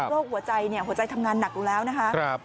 โรคหัวใจหัวใจทำงานหนักดูแล้วนะคะ